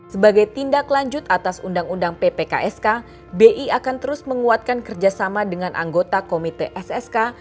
sebagai tindak lanjut atas undang undang ppksk bi akan terus menguatkan kerjasama dengan anggota komite ssk